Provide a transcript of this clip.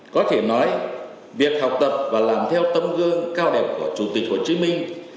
có thể nói việc học tập và làm theo tâm gương cao đẹp của chủ tịch hồ chí minh